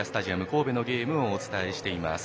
神戸のゲームをお伝えしています。